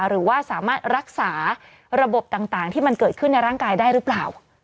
หรือว่าสามารถรักษาระบบต่างที่มันเกิดขึ้นในร่างกายได้หรือเปล่า